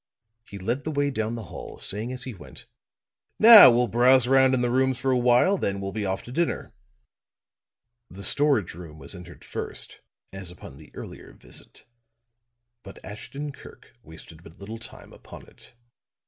He led the way down the hall, saying as he went: "Now we'll browse around in the rooms for a while; then we'll be off to dinner." The storage room was entered first as upon the earlier visit, but Ashton Kirk wasted but little time upon it.